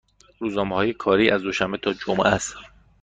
روزهای کاری از دوشنبه تا جمعه است.